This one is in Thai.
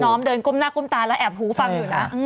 เราก็นอมเดินก้มหน้าก้มตาแล้วแอบหูฟังอยู่แล้ว